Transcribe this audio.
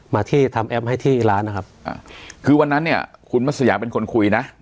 มาที่ทำแอปให้ที่ร้านนะครับอ่าคือวันนั้นเนี่ยคุณมัศยาเป็นคนคุยนะ